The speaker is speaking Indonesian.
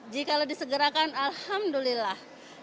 jika disegerakan alhamdulillah